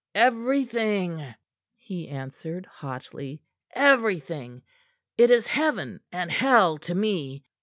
"Everything!" he answered hotly. "Everything! It is Heaven and Hell to me.